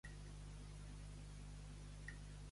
De quina manera es defineix la perspectiva de Tolkien?